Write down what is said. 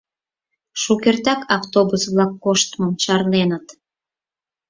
Шукертак автобус-влак коштмым чарненыт.